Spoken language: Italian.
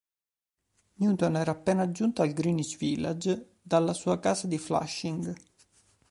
Newton era appena giunto al Greenwich Village dalla sua casa di Flushing.